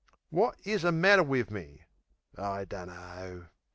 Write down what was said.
What is the matter wiv me?...I dunno.